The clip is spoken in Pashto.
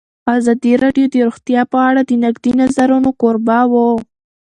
ازادي راډیو د روغتیا په اړه د نقدي نظرونو کوربه وه.